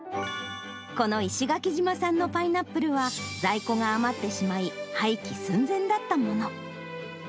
この石垣島産のパイナップルは、在庫が余ってしまい、廃棄寸前だったもの。